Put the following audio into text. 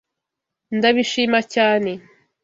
Ndabishima cyane.